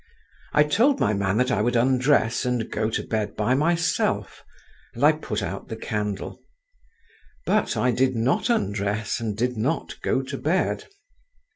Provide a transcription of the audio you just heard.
I told my man that I would undress and go to bed by myself, and I put out the candle. But I did not undress, and did not go to bed.